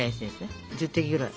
１０滴ぐらい。